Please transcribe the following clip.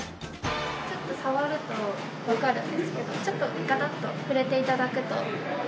ちょっと触るとわかるんですけどちょっとガタッと触れて頂くと。